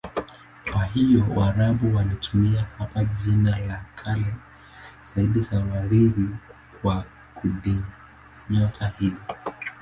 Kwa hiyo Waarabu walitumia hapa jina la kale zaidi la Wagiriki kwa kundinyota hili.